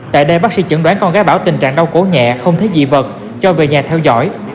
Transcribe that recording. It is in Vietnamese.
tại đây bác sĩ chẩn đoán con gái bảo tình trạng đau cổ nhẹ không thấy dị vật cho về nhà theo dõi